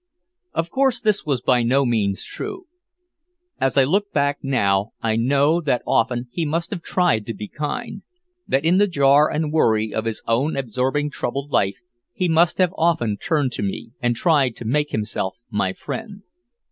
Of course this was by no means true. As I look back now I know that often he must have tried to be kind, that in the jar and worry of his own absorbing troubled life he must have often turned to me and tried to make himself my friend.